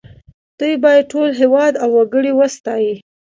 دوی باید ټول هېواد او وګړي وستايي